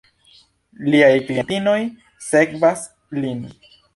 Liaj klientinoj sekvas lin.